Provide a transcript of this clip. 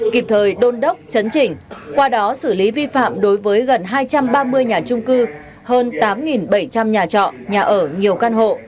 kịp thời đôn đốc chấn chỉnh qua đó xử lý vi phạm đối với gần hai trăm ba mươi nhà trung cư hơn tám bảy trăm linh nhà trọ nhà ở nhiều căn hộ